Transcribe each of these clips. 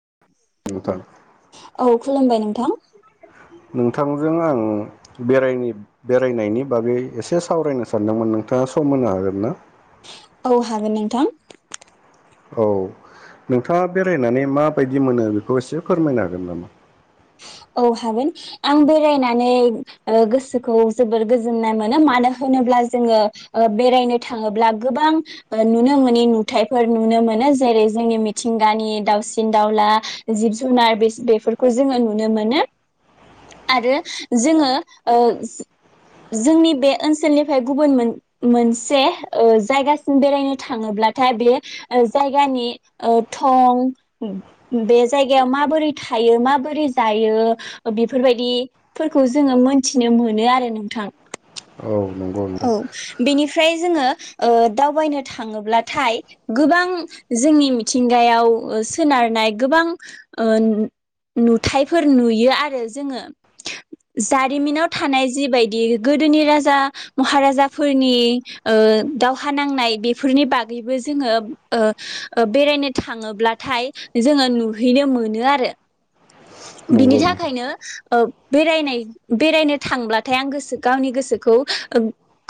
[unintelligible] औ खुलुमबाय नोंथां। नोंथांजों आं बेराय बेरायनायनि बागै एसे सावरायनो सानदोंमोन नोंथाङा सम होनो हागोन ना? औ हागोन नोंथां। औ नोंथाङा बेरायनानै माबायदि मोनो बेखौ एसे फोरमायनो हागोन नामा? औ हागोन आं बेरायनानै ओ गोसोखौ जोबोर गोजोननाय मोनो मानो होनोब्ला जोङो ओ बेरायनो थाङोब्ला गोबां ओ नुनो मोनि नुथायफोर नुनो मोनो जेरै जोंनि मिथिंगानि दावसिन दाउला जिब जुनार बेफोरखौ जोङो नु नो मोनो आरो जोङो ओ जोंनि बे ओनसोलनिफ्राय गुबुन मोनसे ओ जायगासिम बेरायनो थाङोब्लाथाय बे जायगानि ओ थं बे जायगायाव माबोरै थायो माबोरै जायो बेफोरबायदिफोरखौ जोङो मोनथिनो मोनो आरो नोंथां। औ नंगौ नोंथां औ बेनिफ्राय जोङो ओ दावबायनो थाङोब्लाथाय गोबां जोंनि मिथिंगायाव ओ सोनारनाय गोबां ओ नुथायफोर नुयो आरो जोङो जारिमिनाव थानाय जिबायदि गोदोनि राजा महाराजाफोरनि ओ दावहा नांनाय बेफोरनि बागैबो जोङो ओ बेरायनो थाङोब्लाथाय जोङो नुहैनो मोनो आरो बिनि नंगौ नोंथां थाखायनो ओ बेरायनाय बेरायनो थांब्लाथाय आं गोसो गावनि गोसोखौ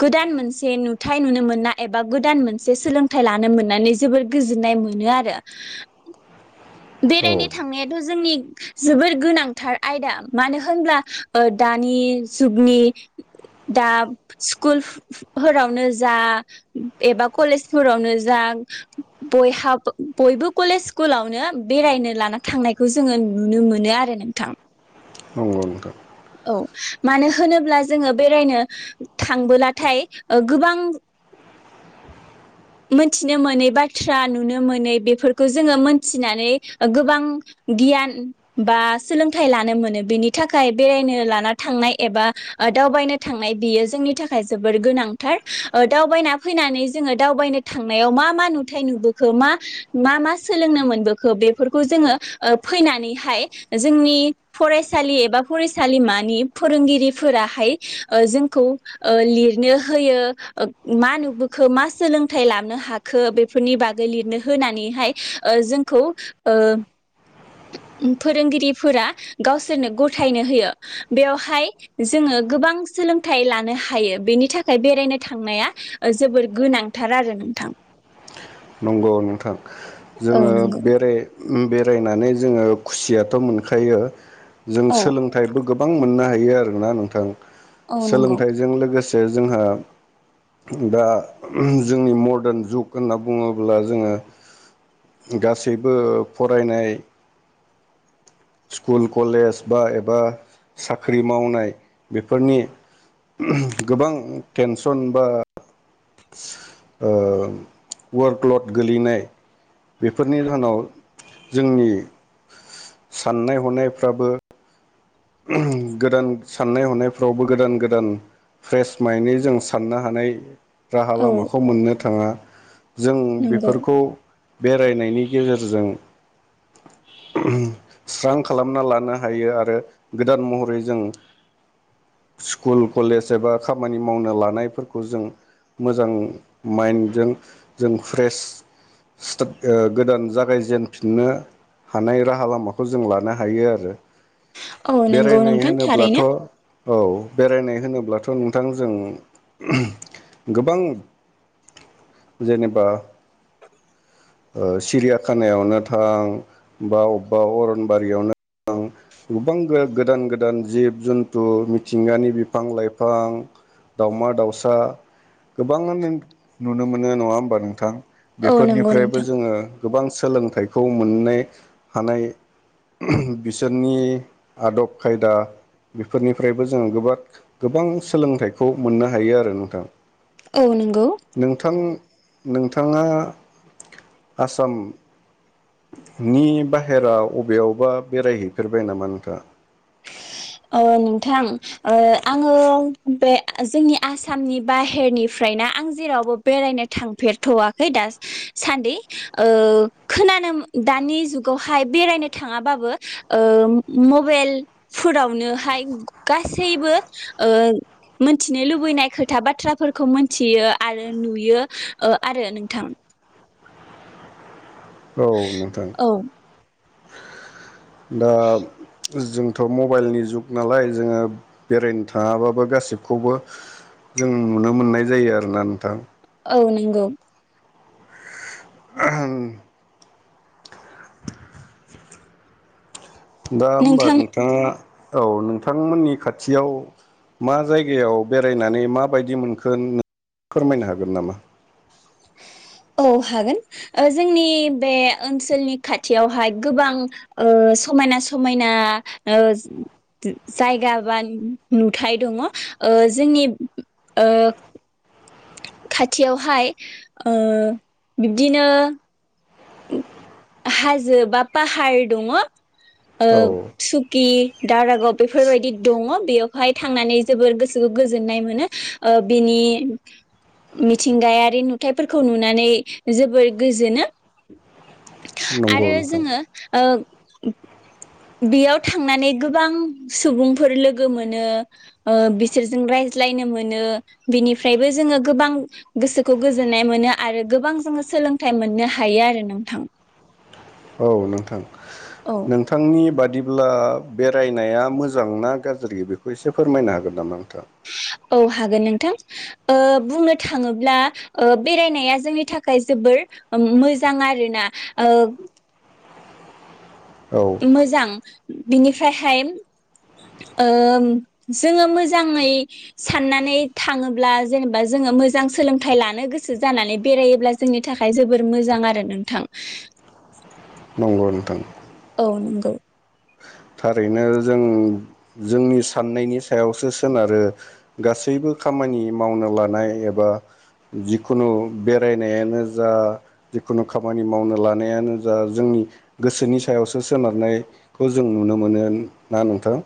गोदान मोनसे नुथाय नुनो मोनना एबा गोदान मोनसे सोलोंथाइ लानो मोननानै जोबोर गोजोननाय मोनो आरो औ बेरायनो थांनायाथ जोंनि जोबोर गोनांथार आयदा मानो होनब्ला दानि जुगनि दा स्कुलफोफोरावनो जा एबा कलेजफोरावनो जा बयहा बयबो कलेज स्कुलावनो बेरायनो लाना थांनायखौ जोङो नुनो मोनो आरो नोंथां। नंगौ नोंथां औ मानो होनोब्ला जोङो बेरायनो थांबोलाथाय ओ गोबां मोनथिनो मोनै बाथ्रा नुनो मोनै बेफोरखौ जोङो मोनथिनानै गोबां गियान बा सोलोंथाइ लानो मोनो बेनि थाखाय बेरायनो लाना थांनाय एबा दावबायनो थांनाय बियो जोंनि थाखाय जोबोर गोनांथार दावबायना फैनानै जोङो दावबायनो थांनायाव मा मा नुथाय नुबोखो मा मा मा सोलोंनो मोनबोखो बेफोरखौ जोङो ओ फैनानैहाय जोंनि फरायसालि एबा फरायसालिमानि फोरोंगिरिफोराहाय ओ जोंखौ ओ लिरनो होयो ओ मा नुबोखो मा सोलोंथाइ लानो हाखो बेफोरनि बागै लिरनो होनानैहाय ओ जोंखौ ओ फोरोंगिरिफोरा गावसोरनो गथायनो होयो बेवहाय जोङो गोबां सोलोंथाइ लानो हायो बेनि थाखाय बेरायनो थांनाया जोबोर गोनांथार आरो नोंथां। नंगौ नोंथां औ जोङो नंगौ बेरे उम बेरायनानै जोङो खुसियाथ मोनखायो। जों औ सोलोंथाइबो गोबां मोननो हायो आरोना नोंथां। औ नंगौ सोलोंथाइजों लोगोसे जोंहा दा जोंनि मदार्न जुग होनना बुङोब्ला जोङो गासैबो फरायनाय स्कुल कलेज बा एबा साख्रि मावनाय बेफोरनि ओम गोबां टेनसन बा। [unintelligible] ओ वारफ्लद गोलैनाय बेफोरनि जाहोनाव जोंनि साननाय हनायफ्राबो ओम गोदान साननाय हनायफ्रावबो गोदान गोदान फ्रेस मायेननि जों साननो हानाय राहा औ लामाखौ मोननो थाङा। जों नंगौ बेफोरखौ बेरायनायनि गेजेरजों उम स्रां खालामना लानो हायो आरो गोदान महरै जों स्कुल कलेज एबा खामानि मावनो लानायफोरखौ जों मोजां माइन्दजों जों फ्रेस सिटाट ओ गोदान जागायजेनफिननो हानाय राहा लामाखौ जों लानो हायो आरो। औ नंगौ बेरायनाय नोंथां होनोब्लाथ' थारैनो। औ बेरायनाय होनोब्लाथ' नोंथां जों उम गोबां जेनेबा ओ सिरियाखानायावनो थां, बा अबबा अरनबारियावनो थां गोबां गो-गोदान गोदान जिब जन्थु मिथिंगानि बिफां लाइफां, दावमादाउसा गोबाङानो नुनो मोनो नङा होमबा नोंथां? औ बेफोरनि नंगौ फ्रायबो नोंथां जोङो गोबां सोलोंथाइखौ मोननाय हानाय उम बिसोरनि आदब खायदा बेफोरनिफ्रायबो जोङो गोबाख गोबां सोलोंथाइखौ मोननो हायो आरो नोंथां। औ नंगौ नोंथां नोंथाङा आसाम नि बाहेराव अबेयावबा बेरायहैफेरबाय नामा नोंथाङा? ओ नोंथां ओ आङो बे जोंनि आसामनि बाहेरनिफ्रायना आं जेरावबो बेरायनो थांफेरथ'वाखै दास सान्दि ओ खोनानो दानि जुगावहाय बेरायनो थाङाबाबो ओ मबेल फोरावनोहाय ग-गासैबो ओ मोनथिनो लुबैनाय खोथा बाथ्राफोरखौ मोनथियो आरो नुयो ओ आरो नोंथां। औ नोंथां। औ दाब जोंथ' मबाइलनि जुग नालाय जोङो बेरायनो थाङाबाबो गासिबखौबो जों नुनो मोननाय जायो आरोना नोंथां। औ नोंगौ। आहान। दा ओमबा नोंथां नोंथाङा औ नोंथांमोननि खाथियाव मा जायगायाव बेरायनानै माबायदि मोनखो नों फोरमायनो हागोन नामा? औ हागोन। ओ जोंनि बे ओनसोलनि खाथियावहाय गोबां ओ समायना समायना ओ ज जायगा बा नुथाय दङ 'ओ जोंनि ओ खाथियावहाय ओ बिब्दिनो हाजो बा पाहार दङ'। औ ओब सुखि दारागाव बेफोरबायदि दङ' बेयाव हाय थांनानै जोबोर गोसोखो गोजोननाय मोनो। ओ बिनि मिथिंगायारि नुथाइफोरखौ नुनानै जोबोर गोजोनो। [unintelligible] नंगौ आरो नोंथां जोङो ओ उ बियाव थांनानै गोबां सुबुंफोर लोगो मोनो, ओह बिसोरजों रायज्लायनो मोनो, बिनिफ्रायबो जोङो गोबां गोसोखौ गोजोननाय मोनो आरो गोबां जोङो सोलोंथाइ मोननो हायो आरो नोंथां। औ नोंथां। नोंथांनि बादि ला बेरायनाया मोजां ना गाज्रि बेखौ एसे फोरमायनो हागोन नामा नोंथां? ओउ हागोन नोंथां ओह बुंनो थाङोब्ला ओह बेरायनाया जोंनि थाखाय जोबोर ओम मोजां आरो ना ओह। औ मोजां । बिनिफ्रायहाय ओह जोंङो मोजाङै साननानै थाङोब्ला जेनेबा जोंङो मोजां सोलोंथाइ लानो गोसो जानानै बेरायोब्ला जोंनि थाखाय जोबोर मोजां आरो नोंथां। नंगौ नोंथां। ओउ नंगौ। थारैनो जों जोंनि साननायनि सायावसो सोनारो गासैबो खामानि मावनो लानाय एबा जिखुनु बेरायनायानो जा जिखुनु खामानि मावनो लानायानो जा जोंनि गोसोनि सायावसो सोनारनायखौ जो जों नुनो मोनो ना नोंथां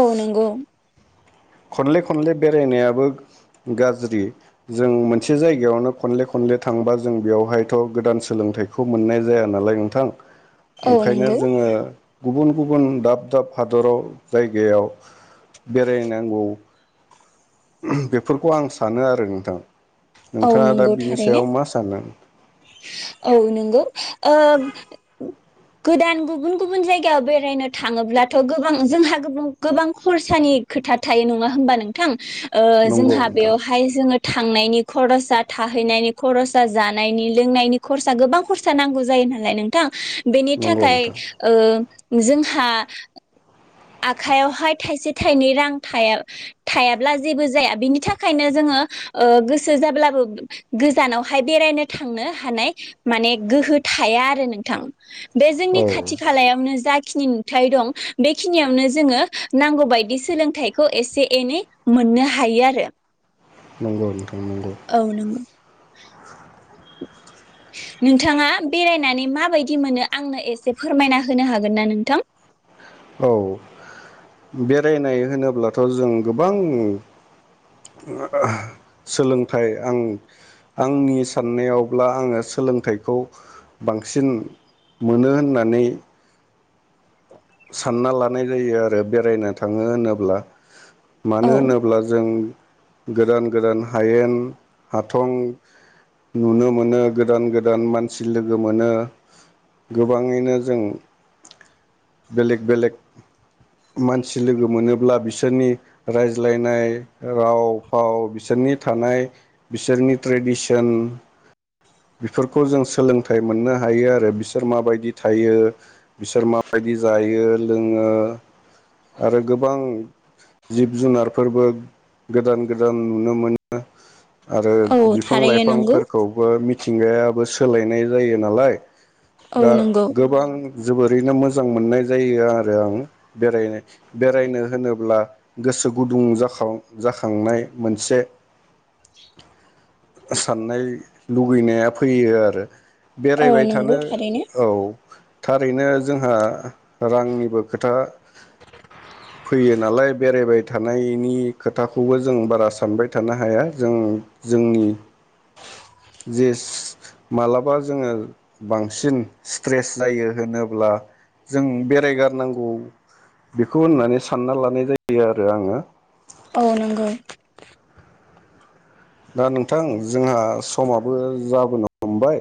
ओउ नंगौ। खनले खनले बेरायनायाबो गाज्रि जों मोनसे जायगायावनो खनले खनले थांबा जों बेयावहायथ' गोदान सोलोंथाइखौ मोननाय जाया नालाय नोंथां। औ ओंखायनो नंगौ जोंङो गुबुन गुबुन दाब दाब हादराव जायगायाव बेरायनो गौ । बेफोरखौ आं सानो आरो नोंथां। नोंथाङा दा बिनि सायाव मा सानो? ओउ नोंगौ ओह गोदान गुबुन गुबुन जायगायाव बेरायनो थाङोब्लाथ' गोबां जोंहा गोबां गोबां खरसानि खोथा थायो नङा होमबा नोंथां। ओह नंगौ जोंहा नोंथां बेवहाय जोंङो थांनायनि खरसा थाहैनायनि खरसा जान नायनि लोंनायनि खरसा गोबां खरसा नांगौ जायो नालाय नोंथां। बेनि नंगौ थाखाय नोंथां ओह जोंहा आखायावहाय थाइसे थाइनै रां थाया थायाब्ला जेबो जाया बिनि थाखायनो जोंङो ओह गोसो जाब्लाबो गोजानावहाय बेरायनो थांनो हानाय माने गोहो थाया आरो नोंथां । बे जोंनि औ खाथि खालायावनो जा खिनि नुथाय दं बे खिनियावनो जोंङो नांगौ बायदि सोलोंथाइखौ एसे एनै मोननो हायो आरो। नंगौ नोंथां नंगौ। औ नंगौ नोंथाङा बेरायनानै माबायदि मोनो आंनो एसे फोरमायना होनो हागोन ना नोंथां? औ बेरायनाय होनोब्लाथ जों गोबां सोलोंथाय आं आंनि साननायावब्ला आंओ सोलोंथायखौ बांसिन मोनो होननानै सानना लानाय जायो आरो बेरायनो थाङो होनोब्ला। मानो औ होनोब्ला जों गोदान गोदान हायेन हाथं नुनो मोनो गोदान गोदान मानसि लोगो मोनो गोबाङैनो जों बेलेग बेलेग मानसि लोगो मोनोब्ला बिसोरनि रायज्लायनाय राव भाव बिसोरनि थानाय बिसोरनि ट्रडिशेन बिफोरखौ जों सोलोंथाय मोननो हायो आरो बिफोर माबोरै थायो बिफोर माबा बायदि जायो लोङो आरो गोबां जिब जुनारफोरबो गोदान गोदान नुनो मोनो। आरो औ बिफां थारैनो नंगौ लाइफांफोरखौबो मि थिंगायाबो सोलायनाय जायो नालाय। औ दा नंगौ गोबां जोबोद [unintelligible] मोजां मोननाय जायो आरो आं बेरायनो बेरायनो होनोब्ला गोसो गुदुं जांखां जाखांनाय मोनसे साननाय लुगैनाया फैयो आरो औ बेरायबाय नंगौ थानो थारैनो औ थारैनो जोंहा रांनिबो खोथा फैयो नालाय बेरायबाय थानायनि खोथाखौबो जों बारा सानबाय थानो हाया जों जोंनि जेस मालाबा जोङो बांसिन स्ट्रेस जायो होनोब्ला जों बेरायगारनांगौ बेखौ होननानै सानना लानाय जायो आरो आङो औ नंगौ दा नोंथां जोंहा समाबो जाबोनो हमबाय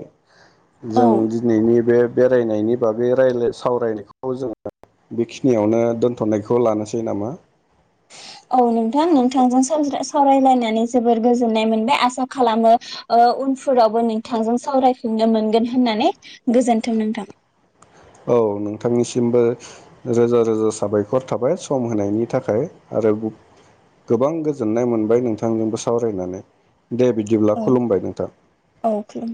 जों औ दिनैनि बे बेरायनायनि बागै रायला सावरायनायखौ जोङो बेखिनियावनो दोनथ'नायखौ लानोसै नामा? औ नोंथां नोंथांजों सावरायलायनानै जोबोर गोजोननाय मोनबाय आसा ओ खालामो उनफोरावबो नोंथांजों सावरायफिनो मोनगोन होननानै गोजोनथों नोंथां औ नोंथांनिसिमबो रोजा रोजा साबायखर थाबाय सम होनायनि थाखाय आरो गोबां गोजोननाय मोनबाय नोंथांजोंबो सावरायनानै दे बिदिब्ला औ खुलुमबाय नोंथां औ खुलुमबाय।